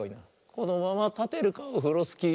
「このままたてるかオフロスキー」